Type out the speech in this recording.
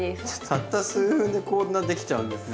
たった数分でこんなできちゃうんですね。